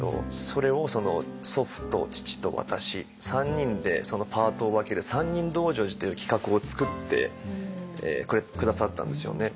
それを祖父と父と私３人でパートを分ける「三人道成寺」という企画を作って下さったんですよね。